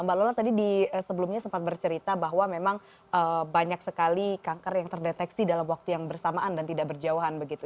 mbak lola tadi di sebelumnya sempat bercerita bahwa memang banyak sekali kanker yang terdeteksi dalam waktu yang bersamaan dan tidak berjauhan begitu